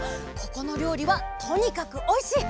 ここのりょうりはとにかくおいしい。